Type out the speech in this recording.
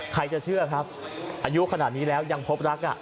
ใครจะเชื่อครับอายุขนาดนี้แล้วยังพบรัก